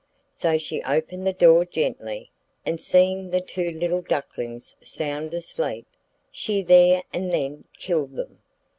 So she opened the door gently, and seeing the two little ducklings sound asleep, she there and then killed them.